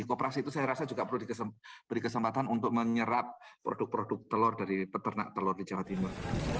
kooperasi itu saya rasa juga perlu diberi kesempatan untuk menyerap produk produk telur dari peternak telur di jawa timur